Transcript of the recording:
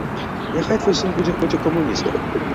Няхай твой сын будзе хоць у камуністах.